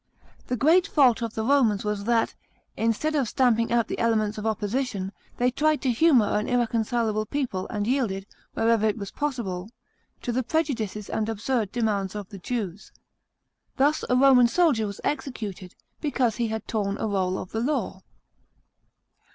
The great fault of the Romans was that, instead of stamping out the elements of op?)osition, they tried to humour an irreconcilable people, and yielded, wherever it was possible, to the prejudices and absurd demands of the Jews. Thus a Roman soldier was executed because he had torn a roll of the law.